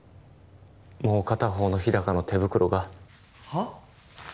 もう片方の日高の手袋がはっ？